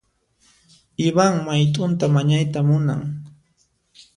Ivan mayt'unta mañayta munan.